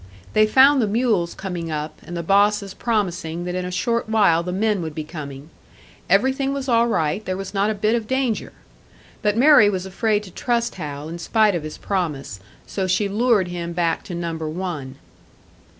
They found the mules coming up, and the bosses promising that in a short while the men would be coming. Everything was all right there was not a bit of danger! But Mary was afraid to trust Hal, in spite of his promise, so she lured him back to Number One.